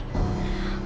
masya allah sat